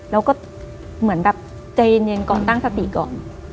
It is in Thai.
แล้วก็เหมือนแบบใจเย็นก่อนตั้งสติก่อน